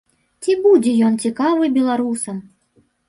Ці будзе ён цікавы беларусам?